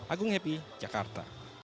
agung happy jakarta